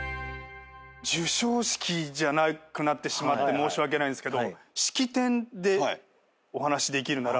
授賞式じゃなくなってしまって申し訳ないんですけど式典でお話しできるなら。